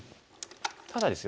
ただですよ